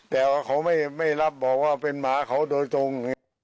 แต่ว่าเขาไม่รับบอกว่าเป็นหมาเขาโดยตรง